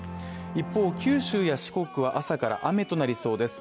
一方、九州や四国は朝から雨となりそうです。